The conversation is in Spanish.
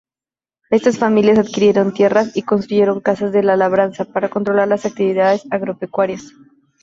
Estas familias adquirieron tierras y construyeron casas de labranza para controlar las actividades agropecuarias.